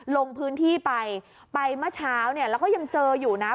ลงพื้นที่ไปไปเมื่อเช้าเนี่ยแล้วก็ยังเจออยู่นะ